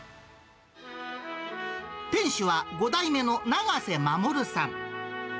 店主は、５代目の永瀬守さん。